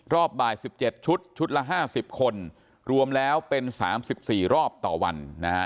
รอบบ่ายสิบเจ็ดชุดชุดละห้าสิบคนรวมแล้วเป็นสามสิบสี่รอบต่อวันนะฮะ